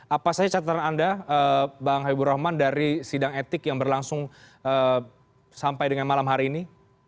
apa saja catatan anda bang habibur rahman dari sidang etik yang berlangsung sampai dengan malam hari ini